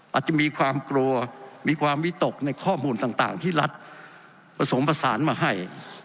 อาจจะมีความกลัวมีความวิตกในข้อมูลต่างที่รัฐประสงค์ประสานมาให้